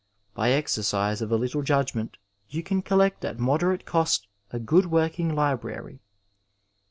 By exercise of a little judgment you can collect at moderate cost a good working library.